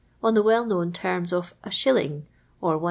on the well known terms of a shilling (or Is.